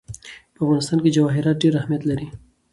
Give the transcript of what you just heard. په افغانستان کې جواهرات ډېر اهمیت لري.